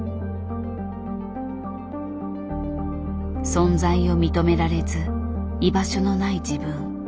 存在を認められず居場所のない自分。